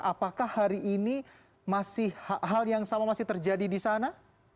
apakah hari ini hal yang sama masih terjadi di sana